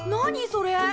それ。